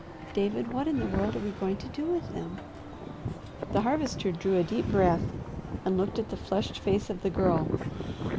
David, what in the world are we going to do with them?" The Harvester drew a deep breath and looked at the flushed face of the Girl.